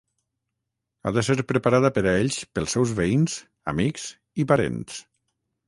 Ha de ser preparada per a ells pels seus veïns, amics i parents.